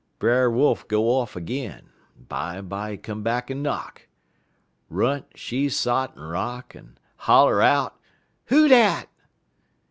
"Brer Wolf go off 'g'in, en bimeby he come back en knock. Runt she sot en rock, en holler out: "'Who dat?'